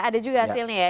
ada juga hasilnya ya